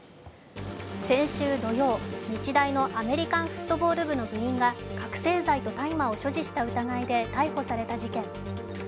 先週土曜、日大のアメリカンフットボール部の部員が覚醒剤と大麻を所持した疑いで逮捕された事件。